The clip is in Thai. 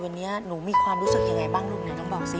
วันนี้หนูมีความรู้สึกยังไงบ้างลุงไหนต้องบอกสิ